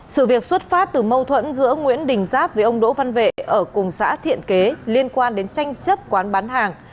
sự việc xuất phát từ mâu thuẫn giữa nguyễn đình giáp với ông đỗ văn vệ ở cùng xã thiện kế liên quan đến tranh chấp quán bán hàng